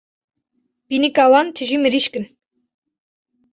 Pînika wan tije mirîşk in.